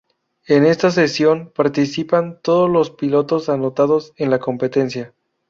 En esta sesión participan todos los pilotos anotados en la competencia.